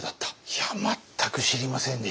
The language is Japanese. いや全く知りませんでした。